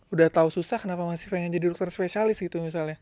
udah tau susah kenapa masih pengen jadi dokter spesialis gitu misalnya